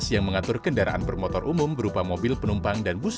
yang mengatur kendaraan bermotor umum berupa mobil penumpang dan bus